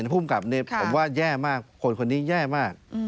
ผู้กำกับเนี่ยบอกว่าแย่มากคนคนนี้แย่มาก